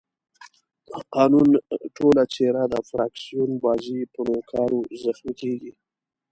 د قانون ټوله څېره د فراکسیون بازۍ په نوکارو زخمي کېږي.